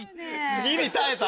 ギリ耐えた。